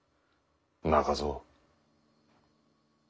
中蔵。